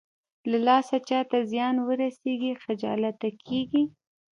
له لاسه چاته زيان ورسېږي خجالته کېږي.